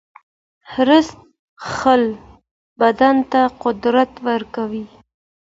رس څښل بدن ته قوت ورکوي